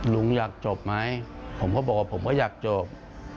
ลุงอยากจบไหมผมก็บอกว่าผมก็อยากจบ